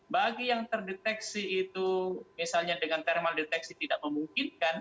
bagi yang terdeteksi itu misalnya dengan thermal deteksi tidak memungkinkan